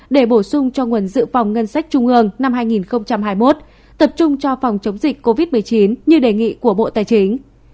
để bổ sung cho nguồn dự phòng ngân sách trung ương năm hai nghìn hai mươi một tập trung cho phòng chống dịch covid một mươi chín như đề nghị của bộ tài chính